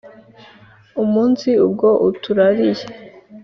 umunsi ubwo uturariye